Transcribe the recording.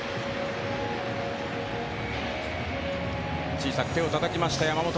小さく手をたたきました、山本。